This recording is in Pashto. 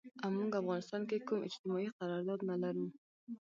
او مونږ افغانستان کې کوم اجتماعي قرارداد نه لرو